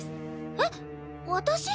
えっ私？